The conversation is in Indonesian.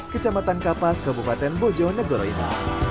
kecamatan kapas kabupaten bojonegoro ini